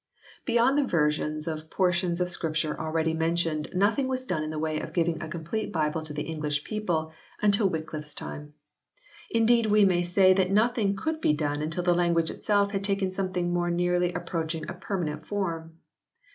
Beyond the versions of portions of Scripture already mentioned nothing was done in the way of giving a complete Bible to the English people until Wyclifle s time. Indeed we may say that nothing could be done until the language itself had taken something more nearly approaching a permanent form.